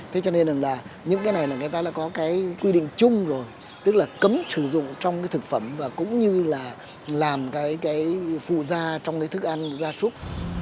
thế cho nên là những cái này là người ta có quy định chung rồi tức là cấm sử dụng trong thực phẩm và cũng như là làm phụ da trong thức ăn da súc